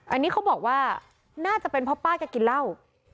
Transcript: อันนี้เขาบอกว่าน่าจะเป็นเพราะป้าแกกินเหล้า